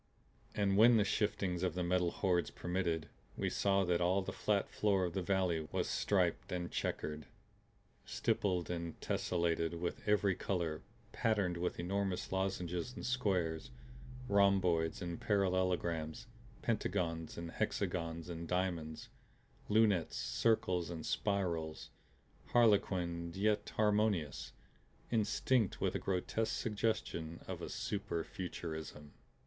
And when the shiftings of the Metal Hordes permitted we saw that all the flat floor of the valley was stripped and checkered, stippled and tessellated with every color, patterned with enormous lozenges and squares, rhomboids and parallelograms, pentagons and hexagons and diamonds, lunettes, circles and spirals; harlequined yet harmonious; instinct with a grotesque suggestion of a super Futurism.